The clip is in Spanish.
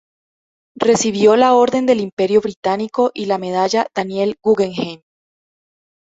Recibió la Orden del Imperio Británico y la Medalla Daniel Guggenheim.